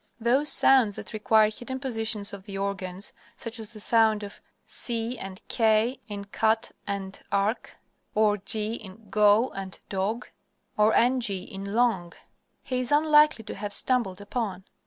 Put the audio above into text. Those sounds that require hidden positions of the organs, such as the sound of C and K in cat and ark, or G in go and dog, or ng in long, he is unlikely to have stumbled upon.